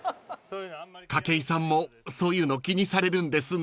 ［筧さんもそういうの気にされるんですね］